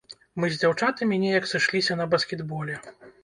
Мы з дзяўчатамі неяк сышліся на баскетболе.